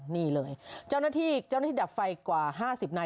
นี่เลยเจ้าหน้าที่ดับไฟกว่า๕๐นาย